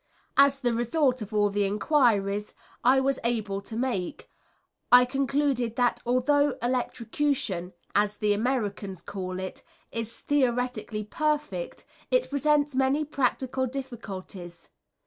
As the result of all the enquiries I was enabled to make, I concluded that although electrocution as the Americans call it is theoretically perfect, it presents many practical difficulties.